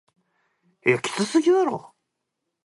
きつすぎだろ